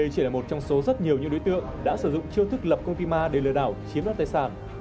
đây chỉ là một trong số rất nhiều những đối tượng đã sử dụng chiêu thức lập công ty ma để lừa đảo chiếm đoạt tài sản